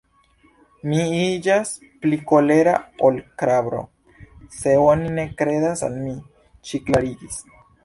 Mi iĝas pli kolera ol krabro, se oni ne kredas al mi, ŝi klarigis.